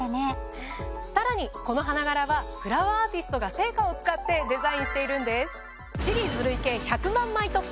さらにこの花柄はフラワーアーティストが生花を使ってデザインしているんです。